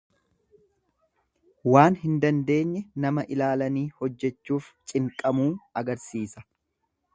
Waan hin dandeenye nama ilaalanii hojjechuuf Cinqamuu agarsiisa.